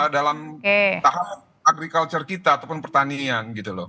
dalam tahapan agriculture kita ataupun pertanian gitu loh